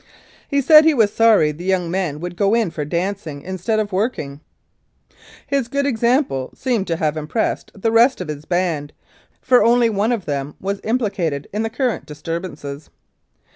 He said he was sorry the young men would go in for dancing instead of working. His good example seemed to have impressed the rest of his band, for only one of them was implicated in the current disturbances.